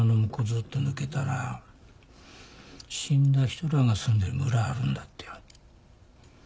ずっと抜けたら死んだ人らが住んでる村あるんだってよ。